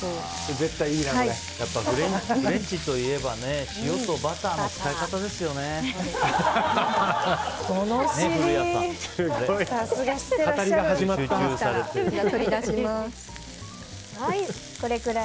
やっぱりフレンチといえば塩とバターの使い方ですよね。